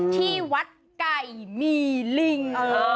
ที่วัดไก่มีลิง